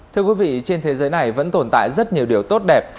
thưa quý vị trên thế giới này vẫn tồn tại rất nhiều điều tốt đẹp